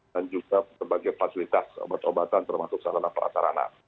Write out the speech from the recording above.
dan juga sebagai fasilitas obat obatan termasuk sarana pelaksanaan